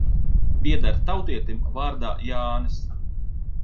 Pieder tautietim vārdā Jānis.